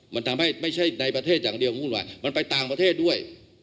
มันทำให้ไม่ใช่ในประเทศอย่างเดียวผมพูดว่ามันไปต่างประเทศด้วย